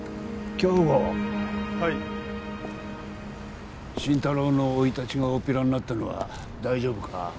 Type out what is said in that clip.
京吾はい心太朗の生い立ちがおおっぴらになったのは大丈夫か？